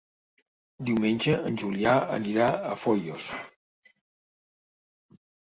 Diumenge en Julià anirà a Foios.